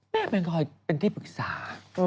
แม่มันก่อนเป็นที่ปรึกษา